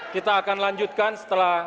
kita akan lanjutkan setelah